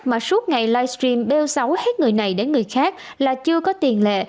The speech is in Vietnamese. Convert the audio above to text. mà suốt ngày livestream bêu xấu hết người này đến người khác là chưa có tiền lệ